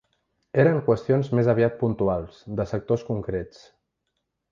Eren qüestions més aviat puntuals, de sectors concrets.